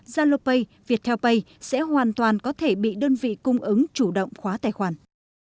zalopay viettelpay sẽ hoàn toàn có thể bị đơn vị cung ứng chủ động khóa tài khoản